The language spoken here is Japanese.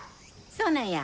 そうなんや。